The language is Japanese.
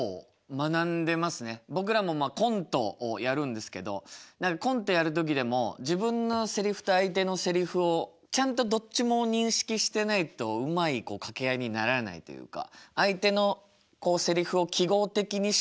僕らもコントをやるんですけどコントやる時でも自分のセリフと相手のセリフをちゃんとどっちも認識してないとうまい掛け合いにならないというか。